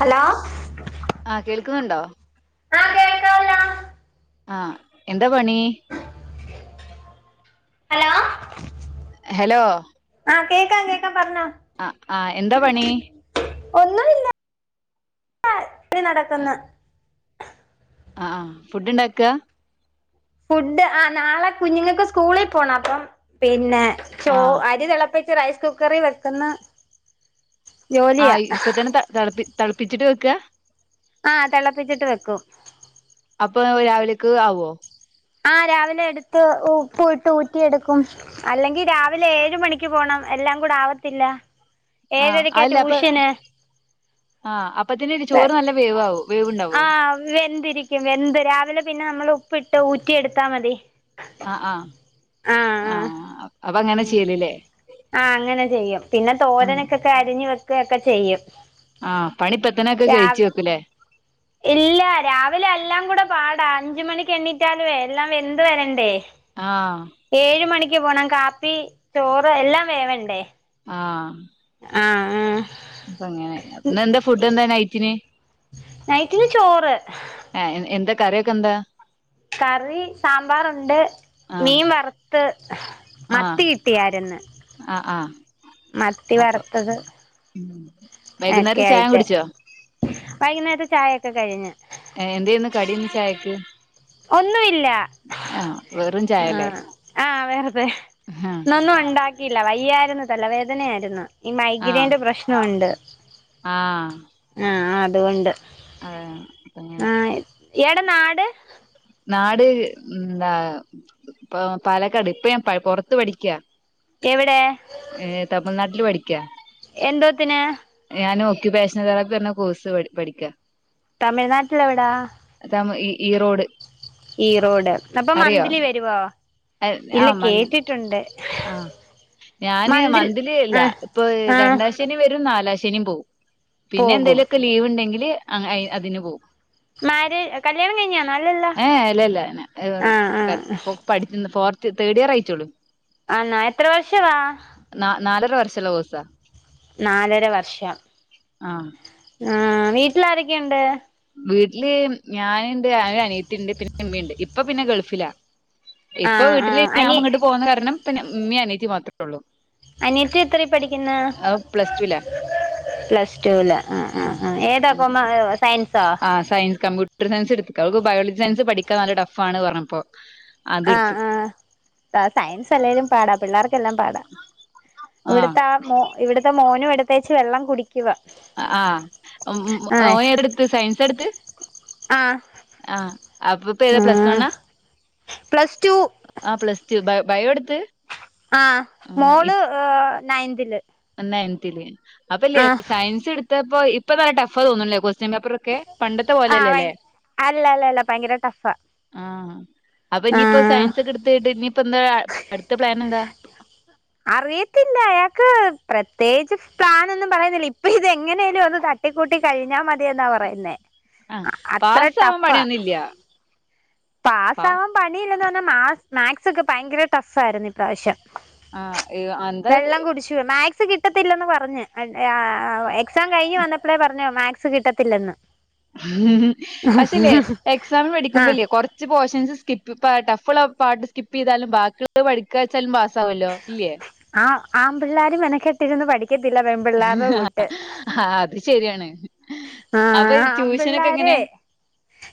Hello ആഹ് കേൾക്കുന്നുണ്ടോ ആ കേൾക്കാമല്ലോ ആഹ് എന്താ പണി ഹലോ ഹലോ ആഹ കേക്കാം കേക്കാ പറഞ്ഞ ആഹ് ആഹ് എന്താ പണി ഇ നടക്കന്ന് ആഹ ഫുഡ് ഇണ്ടാക്കുക ഫുഡ് ആ നാളെ കുഞ്ഞുങ്ങൾക്ക് സ്കൂളിൽ പോണം അപ്പം പിന്നെ ചോ ആഹ് അരി തിളപ്പച്ച് റൈസ് കുക്കറിൽ വെക്കുന്ന ജോലിയാ ആഹ് ഇപ്പ തന്നെ തളപ്പ ളപ്പിച്ചിട്ട് വെക്കുക ആഹ തിളപ്പിച്ചിട്ട് വെക്കും അപ്പൊ രാവിലേക്ക് ആവോ ആഹ രാവിലെ എടുത്ത് ഉപ്പയിട്ട് ഊറ്റിെടുക്കും അല്ലെങ്കിൽ രാവിലെ രാവിലെ ഏഴ് മണിക്ക് പോണം എല്ലാം കൂടെ ആവത്തില്ല ആഹ ഏഴരയ്ക്കാ അതല്ലേ അപ്പൊ ട്യൂഷന് ആ അപ്പത്തിന ഒരു ചോറ് നല്ല വേവാകവും ആഹ വെന്തിരിക്കും വെന്ത് രാവിലെ പിന്നെ നമ്മൾ ഉപ്പ് ഇട്ട് ഊറ്റി എടുത്താ മതി ആഹ ആഹ് ആഹ് ആഹ അപ്പൊ അങ്ങനെ ചെയ്യലല്ലേ ആ അങ്ങനെ ചെയ്യും പിന്നെ തോരനക്കൊക്കെ അരിഞ്ഞഞ് വെക്കുകയൊക്കെ ചെയ്യും ആഹ പണിപ്പെത്തനൊക്കെ രാ കഴിച്ചു വെക്കലേ ഇല്ല രാവിലെ എല്ലാം കൂടെ പാടാ അഞ്ച മണിക്ക് എണ്ണീറ്റാലുവേ എല്ലാം വെന്ത് വരണ്ടേ ആഹ് ഏഴ് മണിക്ക് പോണം കാപ്പി ചോറ് എല്ലാം വേവണ്ടേ ആഹ ആ ആ അപ്പ അങ്ങനെ എന്താ ഫുഡ് എന്താ നൈറ്റിന് നൈറ്റിന് ചോറ് ആഹ എന്താ കറൊക്കെ എന്താ കറി സാമ്പാറുണ്ട് ആഹ് മീൻ വറുത്ത് ആഹ് മത്തി കിട്ടിയരന്ന് ആഹ് ആഹ് മത്തി അപ്പൊ വറത്തത് ഒക്കെ വൈകുന്നേരം ചായ ആയിട്ട് കുടിച്ചോ വൈകുന്നേരത്തെ ചായയൊക്കെ കഴിഞ്ഞ് എന്ത ചെയ്യന്ന് കടന്ന് ചായക്ക് ഒന്നുയില്ല ആഹ് വെറും ആ ചായല്ലേ ആഹ വെറുതെ ആഹ് ന്നൊന്നും ഉണ്ടാക്കി ആില്ല വയ്യായിരുന്നു തലവേദനയായിരുന്നു ഈ മൈഗ്രൈയിന്റെ പ്രശ്നം ഉണ്ട് ആഹ അതുകൊണ്ട് ആഹ അപ്പൊ ഇങ്ങനെ എട നാട് നാട് എന്താ പാലക്കാട് ഇപ്പ ഞാൻ പുറത്ത് പഠിക്കാ എവിടെ ഏ തമിഴ്നാട്ടില് പഠിക്കാ എന്തോത്തിന് ഞാൻ ഓക്യുപാഷൻ തെറാപ്പി പറഞ്ഞ കോഴ്സ് പഠിക്കാം തമിഴ്നാട്ടില എവിടാ ഈറോട് ഈറോഡ് അപ്പൊ മന്ത്ലി വരുവോ ഇല്ല കേട്ടിട്ടുണ്ട് ആ ഞാന് മന്തിൽ മന്ത്ലി ഇല്ല ആഹ് ഇപ്പൊ ആഹ് രണ്ടാശനി വരും നാലാം ശനിം പോവും പിന്നെ പോകും എന്തേലോക്കെ ലീവ് ഇണ്ടെങ്കില് അയ് അതിന് പോവും മാര് കല്യാണം കഴിഞ്ഞാണോ അല്ലല്ലോ ഏ ഇല്ല ഇല്ല അങ്ങനെ ആഹ് ആഹ് [unintelligible] തേർഡ് ഇയർ ആയച്ചോളൂ ആണാ എത്ര വർഷവാ ന നാലര വർഷം ദോസാ നാലര വർഷം ആ ആ വീട്ടിൽ ആാരൊക്കെയുണ്ട് വീട്ടില് ഞാനുണ്ട് ആ അനീത്തിയുണ്ട് പിന്നെ എമ്മയുണ്ട് ഇപ്പൊ പിന്നെ ഗൾഫിലാ ഇപ്പൊ ആഹ് വീട്ടില് ആഹ് ഞാൻ അനി ഇങ്ങോട്ട് പോകുന്ന കാരണം ഇമ്മീ അനിയത്തി മാത്രേ ഉള്ളൂ അനിയത്തി എത്ര പഠിക്കുന്ന അത് പ്ലസ് ടുലാ പ്ലസ് ടുലാ ആഹ് ആ ആഹ് ഏതാ കൊമ സയൻ ആ സയൻസ് കമ്പ്യൂട്ടർ സയൻസ് എട്ക്ക അവക്ക് ബയോളജി സയൻസ് പഠിക്കാൻ നല്ല ടഫാണ് പറഞ്ഞപ്പോ അതെടുത്ത് ആഹ് ആഹ് സയൻസ് അല്ലേലും പാടാ പിള്ളേർ ലാം പാടാ ആ ഇവ്ട്ത്തെ ആഹ് മോ ഇവ്ട്ത്തെ മോനും എടുത്തെച്ച് വെള്ളം കുടി ആഹ് ഉം ഓൻ ആഹ് ഏതെടുത്ത് സയൻസാ എട്ത്ത് ആഹ് അപ്പപ്പ ഏതാ പ്ലസ് ആഹ് വണ്ണാ പ്ലസ് ടു ആ പ്ലസ് ടു ബയോ ഇട്ത്ത് ആഹ് മോള് നയന്തില് നയൻന്തില് അപ്പല്ലെ സയൻസ് ഇട്ത്തപ്പോ ഇപ്പ നല്ല ടഫാ തോന്ന്ല്ലെ കോസ്‌ ചെങ്കാപ്പുറൊക്കെ പണ്ടത്തെ ആഹ് ഭയ പോലെല്ലല്ലേ അല്ല അല്ല അല്ല ഭയങ്കര ടഫാ ആഹ് അപ്പ ഇനിയിപ്പോ ആഹ് സയൻസ് ഒക്കെ ഇട്ത്ട് ഇനിയിപ്പോ എന്താ അടുത്ത പ്ലാൻ എന്താ? അറിയത്തില്ല അയാക്ക് പ്രത്യേകിച്ച് പ്ലാനൊന്നും പറയുന്നില്ല ഇപ്പ ഇത് എങ്ങനെലും ഒന്ന് തട്ടിക്കൂട്ടി കഴിഞ്ഞാ മതിയെന്നാ പറയുന്നേ ആഹ് പാസ്സാവാൻ അത്രട്ടഫാ പണിയൊന്നുംല്ല പാസ പാ ആവാൻ പണിയില്ലേന്ന് പറഞ്ഞാൽ മാ മാക്സൊക്കെ ഭയങ്കര ടഫായിരുന്നു ഇപ്രാവശ്യം ആഹ് എന്താ വെള്ളം കുടിച്ചു മേക് സ് കിട്ടത്തില്ലെന്ന് പറഞ് ആ എക്സാം കഴിഞ്ഞ് വന്നപ്പളെ പറഞ്ഞു മാക്സ്‌ കിട്ടത്തില്ലെന്ന് ഉം പക്ഷല്ലേ എക്സാമിന് ആ പഠിക്കുമ്പല്ലേ കൊ ർച്ച് പോഷൻസ് സ്കിപ്പ് ടഫുള്ള പാട്ട് സ്കിപ്പ് ചെയ്താലും ബാക്കിള്ളത് പഠിക്ക വെച്ചാലും പാസ്സ് ആവല്ലോ ഇല്ലേ? ആ ആമ്പിള്ളേര് മെനക്കെട്ടിരുന്ന് പഠിക്കത്തില്ല പെൺപിള്ളേരുടെ കൂട്ട് ആഹ് അത് ശരിയാണ് ആഹ് അപ്പൊ ആഹ് ട്യൂഷനൊക്കെ ആമ്പിള്ളേര് എങ്ങനെ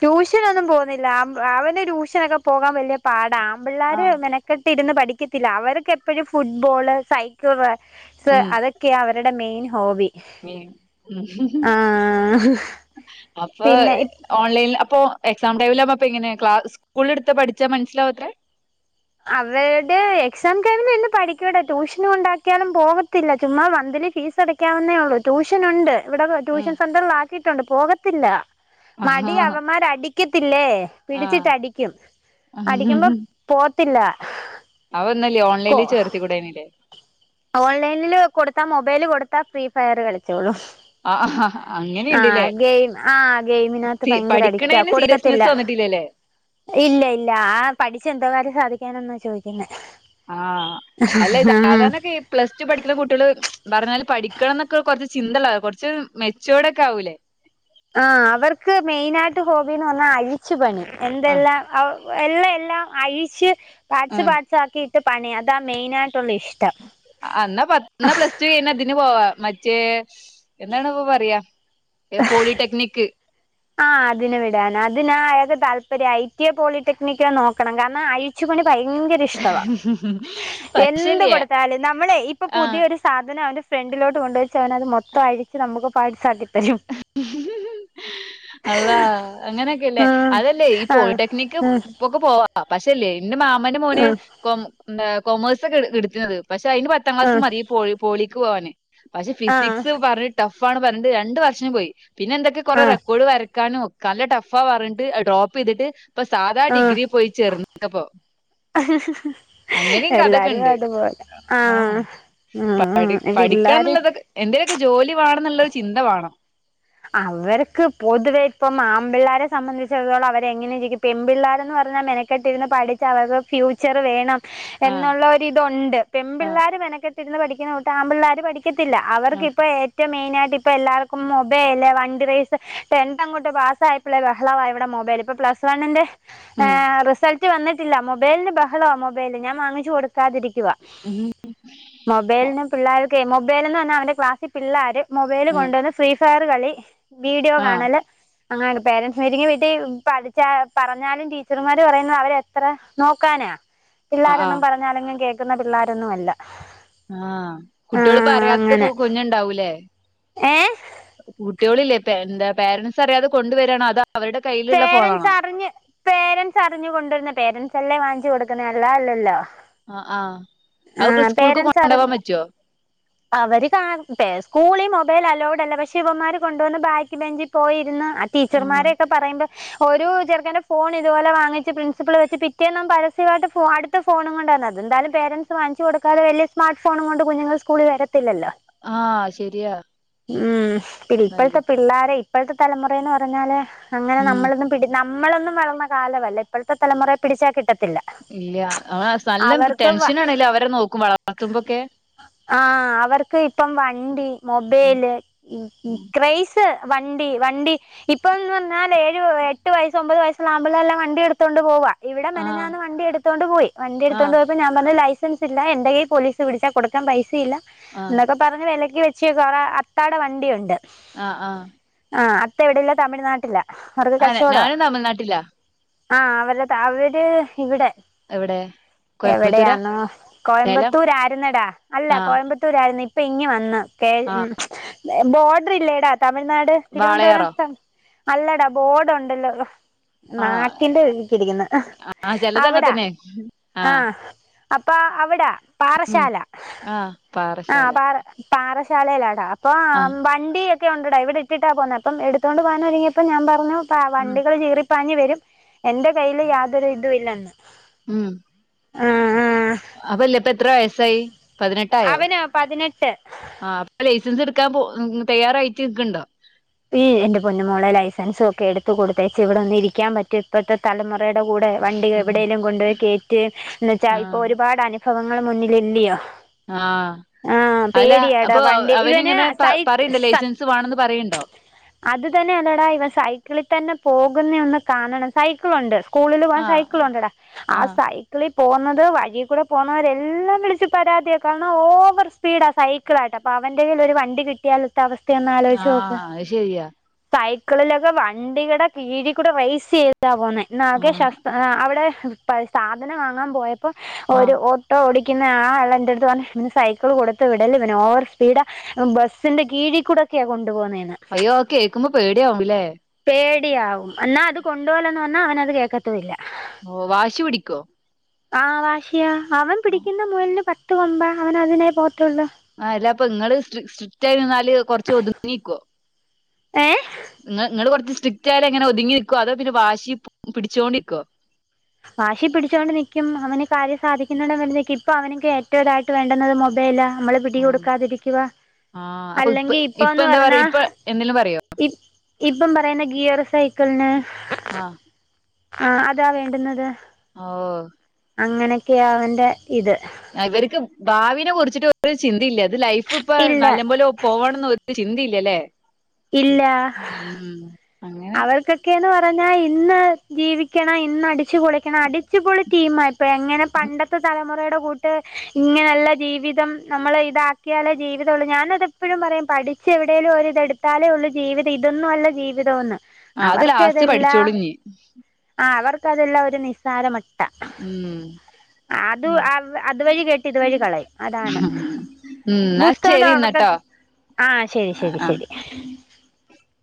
ട്യൂഷനൊന്നും പോവുന്നില്ല അവന് ട്യൂഷനൊക്കെ പോകാൻ വല്ല്യ പാടാ ആമ്പിള്ളേര് ആഹ് മെനക്കെട്ട് ഇരുന്ന് പഠി പഠികത്തില്ല അവർക്ക് എപ്പഴും ഫുഡ്ബോൾ സൈക്കിൾ റൈസ് ഉം അതെക്കെയാ അവരെ ഡി മെയ്ൻ ഹോബി ഉം ആഹ് അപ്പ പിന്നെ ഓൺലൈനിൽ അപ്പൊ എക്സാം ടൈമില് ആകുമ്പപ്പയെങ്ങനെ ക്ലാസ് സ്കൂൾലെടുത്ത് പഠിച്ചാ മനസ്സിലാവത്രെ അവര്ടെ എക്സാം [unintelligible] ട്യൂഷൻ കൊണ്ടാക്കിയാലും പോകത്തില്ല ചുമ്മാ തില് ഫീസ് അടക്കാവ്ന്നേ ഒള്ളൂ ട്യൂഷന് ഉണ്ട് ഇവിടെ ഉം ട്യൂഷൻ സെന്ററിൽ ആക്കിയിട്ടുണ്ട് പോകത്തില്ല ആഹ് മടി അവന്മാര് അടിക്കത്തില്ലേ ആഹ് പിടിച്ചിട്ടടിക്കും അടിക്കുമ്പോ പോത്ത ന്നല്ലേ ഓൺലൈനില് ചേർത്തി കൂടേനില്ലേ ഓൺലൈനിൽ കൊട്ത്താ മൊബൈല് കൊടുത്താ ഫ്രീ ഫയറ് കളിച്ചോളും ആഹ് ആഹ് ആഹ് ഗെയിം ആഹ് ഗെയിമിനകത്ത് സി ഭയങ്കര അഡിറ്റാ പഠിക്കണേന് കൊടുക്കത്തില്ല സീരിയസ്നെസ് വന്നിട്ടില്ലല്ലേ ഇല്ല ഇല്ല ആ പഠിച്ച എന്തോകാര്യം സാധിക്കാനെന്നാ ചോദിക്കുന്നെ ആഹ് അല്ലെ ആഹ് സാധാരണക്കെഈ പ്ലസ്ടു പഠിക്കുന്ന കുട്ടികള് പറഞ്ഞാല് പഠിക്കണം എന്നൊക്കെ കൊർച്ച് ചിന്തള്ള കൊർച്ച് മെചോഡോക്കെ ആവൂലേ ആ അവർക്ക് മെയ്നായിട്ട് ഹോബിന്ന് പറഞ്ഞാ അഴിച്ചു പണി ആഹ് എന്തെല്ലാം [unintelligible] എല്ല എല്ലാം അഴിച്ച് പാട്സ് ആഹ് പാട്സാക്കിയിട്ട് പണി അതാ മെയ്നാ അന്നാ പത്ത് പ്ലസ് ടു കഴിഞ്ഞാ തിന് പോവാ മറ്റേ എന്താണ് ഇപ്പ പറയാ ഏ പോളിടെക്നിക്ക്. ആ അതിന് വിടാൻ അതിനാ അയാക്ക് താല്പര്യം ഐ. ടി. എ പോളിടെക്നിക്ക്‌ നോക്കണം. കാരണം അഴിച്പണി ഭയങ്കര ഇഷ്ടവാ എന്ത് പശല്യ കൊട്ത്താലും നമ്മളെ ഇപ്പൊ ആഹ് പുതിയൊരു സാധനം അവൻ ഫ്രണ്ടിലോട്ട് കൊണ്ട് വെച്ചാ അവന് അത് മൊത്തം അഴിച്ച് നമുക്ക് പാട്സ്സാക്കി തരും അള്ളാ അങ്ങനെക്കെല്ലേ ഉം അതല്ലേ ഈ ആഹ് പോളിടെക്നിക്ക് ഉം പ്പൊക്കെ പോവാ പക്ഷല്ലേ ഇന്റെ മാമന്റെ മോന് ഉം കൊ എന്താ കൊമേഴ്സ് ഒക്കെ ഇട്തീനത് പക്ഷെ അയ്ന് പത്താം ഉം ക്ലാസ് മതി പോ പോളിക്ക് പോകാന് പക്ഷെ ആഹ് ഫിസിക്സ് പറഞ്ഞ് ടഫ് ട്ടഫ്റഞ്ഞ് രണ്ട് വർഷം പോയി. പിന്നെ എന്തൊക്കെ കൊറെ ആഹ് റെക്കോർഡ് വരക്കാനും ഒ നല്ല ട്ടഫാ പറഞ്ഞിട്ട് ഡ്രോപ്പ് ചെയ്തിട്ട് ഇപ്പൊ സാധാ ആഹ് ഡിഗ്രി പോയി ചേർന്നക്കപ്പൊ എല്ലാരും ഉണ്ട് അതുപോലെ ആ ഉം പഠിക്കാ പിള്ളാര് എന്നുള്ളതൊക്കെ എന്തെങ്കിലും ജോലി വണംന്ന്നുള്ളരു ചിന്ത വേണം. അവർക്ക് പൊതുവെ ഇപ്പം ആമ്പിള്ളാരെ സംബന്ധിച്ചിടത്തോളം അവരെ എങ്ങനെയിരിക്കും പിമ്പിള്ളാരർന്ന് പറ പറഞ്ഞാൽ മെനക്കെട്ടിരുന്ന് പഠിച്ച് അവർക്ക് ഫ്യൂച്ചർ വേണം. ആഹ് എന്നുള്ളരി ഇതുണ്ട് പെൺ ആഹ് പിള്ളേർ മെനക്കെട്ടിരുന്ന് പഠിക്കുന്ന കൂട്ട് ആമ്പിള്ളേർ പഠ ക്കത്തില്ല അവർക്ക ഇപ്പോ ഏറ്റവും മെയിനായിയിട്ട് ഇപ്പ എല്ലർക്കും മൊ മൊബൈല്ലേ വണ്ടി റേസ് ടെൻത്ത് അങ്ങോട്ട് പാസ് ആയപ്പോള്ളേ ബഹളാവ ഇവിടെ മൊബൈൽ ഇപ്പൊ പ്ലസ് വണ്ണിന്റെ ഉം ഹറിസൾട്ട് വന്നിട്ടില്ല മൊബൈലിന് ബഹളമാ മൊബൈല് ഞാൻ വാങ്ങിച്ചു കൊടുക്കാതിരി കുവ ഉം ഒ മൊബൈല് പിള്ളേർക്ക് മൊബൈലന്ന് പറഞ്ഞാൽ അവന്റെ ക്ലാസ്സിൽ പിള്ളേർ മൊബൈല് ഉം കൊണ്ടുവന്ന് ഫ്രീ ഫയർ കളി വീഡിയോ ആഹ് കാണല് അങ്ങനെെ പേരൻറ്സ് മീറ്റിംഗ വീട്ടി പഠിച്ചാ പറഞ്ഞാലും ടീച്ചർമാർ പറയുന്നത് അവരെത്ര നോക്കാനാ ആഹ് പിള്ളോരൊന്നും ആഹ് പറഞ്ഞാലെങ്കിലും കേൾക്കുന്ന പിള്ളോരൊന്നും അല്ല ആ ആ കുട്ടികളീ പ്പറിയാത്ത അങ്ങനെ കുഞ്ഞുണ്ടാവൂല്ലേ ഏ പറ്റോളില്ലേ എന്ത പാരൻസ്റിയാതെ കൊണ്ടുവരണ അതോ അവരുടെ കയ്യിലുള്ള പേരൻസ് ഫോണാണോ അറിഞ് പേരൻറ്സ് അറിഞ്ഞു കൊണ്ടുവരുന്ന പേരൻസ് അല്ലേ വ കൊടുക്കുന്ന എല്ലാല്ലല്ലോ ആ ആഹ് അവ സ്കൂൾക്ക് പേരൻറ്സ് കൊണ്ടുപോവാൻ അറിഞ്ഞ് പറ്റുവോ അവര് കാ സ്കൂള മൊബൈൽ അലൗഡ് അല്ല പക്ഷെ ഇവന്മാർ കൊണ്ടുവന്ന് ബാക്കി ബെഞ്ചിൽ പോയിര്ന്നു ആ ആഹ് ടീച്ചർമാരെ ഒരു ചെറക്കന്റെ ഫോൺ ഇതുപോലെ വാങ്ങിച്ച് പ്രിൻസിപ്പൾ വെച്ച് പിറ്റേന്നു പരസ്യയിട്ട് അടുത്ത ഫോ [unintelligible] ന്താലും പരൻസ് വാങ്ങിച്ചു കൊടുക്കാതെ വല്യ സ്മാർട്ട് ഫോൺ കൊണ്ട് കുഞ്ഞുങ്ങൾ സ്കൂളിൽ വരത്തില്ലോ ആ ശരിയാ ഉം പി ഇപ്പോഴത്തെ അയ്യോ പിള്ളേരെ ഇപ്പോഴത്തെ തലമുറന്ന് പറഞ്ഞാല് അങ്ങനെ ഉം നമ്മളൊന്നും പിട നമ്മളൊന്നും വളർന്ന കാലവല്ല ഇപ്പോഴത്തെലമുറെ പിടിച്ചൽ കിട്ട ഇല്ല ന നല്ലം അവർക്ക് ടെൻഷനാണെല അവരെ നോക്കും വളർത്തുമ്പോൊക്കെ ആ അവർക്ക് ഇപ്പം വണ്ടി മൊബൈല് ക്രയിസ് വണ്ടി വണ്ടി ഇപ്പൊന്ന് പറഞ്ഞ നാലല്ലേഏഴ് എട്ട് വസ്സ ഒമ്പത് വയസ്സുള്ള ആണ്പിള്ളേർല്ലാം വണ്ടി എടുത്തുണ്ട് പോവാ ഇവിടെ ആഹ് മെനഞ്ഞാന്ന് വണ്ടിയെടുത്തോണ്ട് പോയി വണ്ടി ആഹ് എടുത്തൊണ്ട് പോയപ്പോ ഞാൻ പറഞ് ലൈ സൻസില്ല എന്റെ കയ് പോലീസ് വിടിച്ച കൊടുക്കാൻ പൈസയില്ല ആഹ് എന്നൊക്കെ പറ വില വെച്ച് കുറ അത്താട വണ്ടിയുണ്ട് ആ ആ ആ അത്തവിടെ ഇല്ല തമിഴ്നാട്ടില ആനെ ഞാനും തമിഴ്നാട്ടിലാ ആ അവരുത അവര് ഇവിടെ എവിടെ കോയമ്പത്തൂരാ എവിടെയാന്നോ സേലം കോയമ്പത്തൂരായിരുന്നടാ അല്ല ആഹ് കോയമ്പത്തൂരായിരുന്നു ഇപ്പ പെങ്ങി വന്ന് ആഹ് ബോർഡർ ഇല്ലേട തമിഴ്നാട് തിരുവനന്തപുരം വാളയാറോ അല്ലടാ ബോർഡ് ഉണ്ടല്ലോ ആഹ് നാക്കിന്റെ വക്കലരിക്കുന്ന ആഹ് ചെലത് അങ്ങൻ അവിട തന്നെ ആ ആഹ് അപ്പ അവിടെ ഉം പാറശാല ആഹ് ആ പാറശാല പാറ പാറശാലയിലാടാ ആഹ് അപ്പം വണ്ടിയൊക്കെ ഉണ്ടടാ ഇവിടെ ഇട്ടിട്ടാണ് പോകുന്ന അപ്പം എടുത്തുകൊണ്ട് പോകാന ഇപ്പൊ ഞാൻ പറഞ്ഞു ഉം വണ്ടികൾ ചീറിപ്പാഞ്ഞഞ് വരും എന്റെ കയ്യിൽ യാതൊരു ഇതും ഇല്ലന്ന് ഉം ആ ആ അപ്പൊല്ല ഇപ്പ എത്ര വയസായി പതിനെട്ടായോ അവന് പതിനെട്ട് ആ അപ്പ ലൈസൻസ് എടുക്കാൻ പോ തയ്യാറായിട്ടിക്കണ്ടോ ഈ എന്റെ പൊന്നുമോള ലൈസൻസും ഒക്കെ എടുത്ത കൊടുത്തേച്ച ഇവിടെ ഒന്ന് ഇരിക്കാൻ പറ്റ ഇപ്പത്തെ തലമുറ ടെ കൂടെ വണ്ടി എവിടെയേലും കൊണ്ടപയി കേയറ്റ്ന്ന് ച്ചാൽ ഇപ്പോ ആഹ് ഒരുപാട് അനു ഭവങ്ങൾ മുന്നിലില്ലയോ ആഹ് ആ അല്ല പേടിയട അപ്പൊ വണ്ടി ഇവനെ അവനിങ്ങനെ പ സൈ പറയ്ണ്ടോ സ ലൈസൻസ് വേണന്ന് പറയ്ണ്ടോ അത് തന്നെയല്ലേടാ ഇവ സൈക്കിളിൽ തന്നെ പോകുന്ന ഒന്ന് കാണണം സൈക്കിളുണ്ട് സ്കൂളിൽ പോകൻ സൈക്കിൾ ആഹ് ഉണ്ട്ടാ ആ ആഹ് സൈക്കിളിൽ പോകുന്നത് വഴിൽ കൂടെ പോകുന്നവരെല്ലാം വിളിച്ച് പരാതിയ കാരണം ഓവർ സ്പീഡ് ആ സൈക്കിള ആയിട്ട് അപ്പ അവന്റെ ൽ ഒരു വണ്ടി കിട്ടിയാൽ ഒത്ത അവസ്ഥയന്ന ആ ആലോചിച്ചോ അത് ശെരിയാ മക്കളിലൊക്കെ വണ്ടിടെ കീഴികൂടെ റൈസ് ചെയ്താ പോകുന്നത് എന്നാകെ ആഹ് ശസ്ത്ര അവിടെ സാധനം വാങ്ങാൻ പോയപ്പോ ഒരു ആഹ് ഓട്ടോ ഓടി ആള എന്റെടുത്ത് പറഞ്ഞ പിന്നെ സൈക്കിൾ കൊടുത്ത വിടല്ലേ പിന്നെ ഓവർ സ്പീഡ് ബസിന്റെ കീഴിൽ കൂടെ ഒക്ക കൊണ്ടു പോകുന്നെന്ന് അയ്യോ കേൾക്കുമ്പോ പേടിയയാവും ല്ലേ പേടിയാവും എന്നാൽ അത് കൊണ്ട പോലന്ന് പറഞ്ഞാൽ അവനത് കേൾക്കത്തല്ല ഓ വാശി പിടിക്കോ ആ വാശിയ അവൻ പിടിക്കുന്ന മുയലിന് പത്ത് കൊമ്പ അവൻ അതിനായി പോ ആ അല്ല അപ്പ നിങ്ങള് സ്ട്രിക്റ്റ് ആയി നിന്നാല് കൊറച്ച് ഒതുങ്ങിക്കുവോ ഏ നി നിങ്ങള് കൊറച്ച് സ്ട്രിക്റ്റ് ആയാല എങ്ങനെ ഒതുങ്ങി നിക്കുവോ അതോ പിന്നെ വാശി പിടിച്ചുകോണ്ടിരിക്കുവോ വാശി പിടിച്ചോൊണ്ട് നിക്കും അവന് കാര്യം സാധിക്കുന്നണ്ട നിക്കും ഇപ്പൊ അവന്ക്ക് ഇപ്പോൾ ഏറ്റവും ഇതായിട്ട് വേണ്ടത് മുബൈലാ നമ്മളെ ആഹ് പിടിികൊടുക്കാതിരിക്കുക ആഹ് അപ്പൊ ഇപ്പ അല്ലെങ്കിൽ ഇപ്പ ഇപ്പൊന്ന് എന്താ പറയാ പറഞ്ഞാ ഇപ്പ എന്തേലും പറയോ ഇ ഇപ്പം പറയുന്ന ഗിയർ സൈക്കിളിന് ആ ആ അതാ വേണ്ടുന്നത് ഓ അങ്ങനെയൊക്കെയ അവന്റെ ഇത് ഇവർക്ക് ഭാവിനെ കുറിച്ചിട്ട് ഒരു ചിന്തയില്ല അത് ലൈഫ് ഇപ്പ ഇല്ല നല്ല പോോലെ പോവാണംന്ന് ചിന്തയില്ലല്ലേ ഇല്ല അങ്ങനെ അവർക്കൊക്കെന്ന് പറഞ്ഞാൽ ഇന്ന് ജീവിക്കണം ഇന്ന് അടിച്ചു പൊളിക്കണം അടിച്ചു പൊളി ടീംമാ ഇപ്പം എങ്ങനെ പണ്ടത്തെ തലമുറയുടെ കൂട്ട് ഇങ്ങനെല്ല ജീവിതം നമ്മൾ ഇതാക്കിയാലേ ജീവിതമള്ള ഞാനത എപ്പോഴും പറയും പടി ച്ച് എവിടെേലും ഒരിത എടുത്താലേ ഉള്ള ജീവിതം ഇതൊന്നുമല്ല ജീവിതംന്ന് ആ അത് ലാസ്റ്റ് അവർക്കതെല്ലാം പഠിച്ചോളും ഇഞ്ഞ് ആ അവർക്കതെല്ലാം ഒരു നിസ്സാരമട്ട ഉം അത് ഉം അതുവഴി കേെട്ടി ഇതുവഴി കളയും അതാണ് ഉം എന്നാ ശരി പുുസ്തകന്റെറക്ക എന്നാട്ടോ ആ ശരി ശരി ആഹ് ശരി [unintelligible]